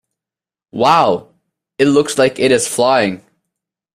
Wow! It looks like it is flying!